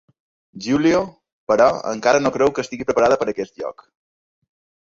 Giulio, però, encara no creu que estigui preparada per a aquest lloc.